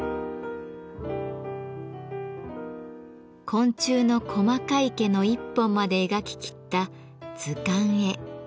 昆虫の細かい毛の一本まで描ききった図鑑絵。